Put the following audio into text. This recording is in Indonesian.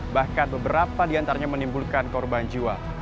bahkan beberapa diantaranya menimbulkan korban jiwa